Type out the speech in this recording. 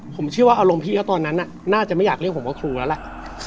ผมเชื่อว่าอารมณ์พี่เขาตอนนั้นน่าจะไม่อยากเรียกผมว่าครูแล้วล่ะ